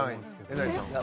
えなりさん。